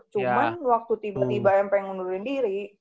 cuman waktu tiba tiba mp yang undurin diri